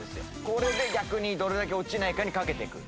これで逆にどれだけ落ちないかに賭けていく。